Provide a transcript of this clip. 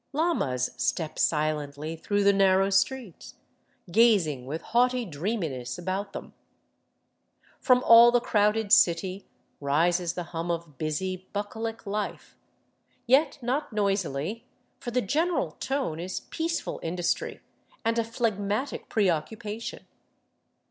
Llamas step silently through the narrow streets, gazing with haughty dreaminess about them. From all the crowded city rises the hum of busy, bucolic life, yet not noisily, for the general tone is peaceful industry and a phlegmatic preoccupa tion.